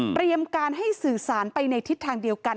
การให้สื่อสารไปในทิศทางเดียวกัน